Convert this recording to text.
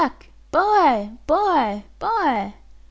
Buy, buy, buy!'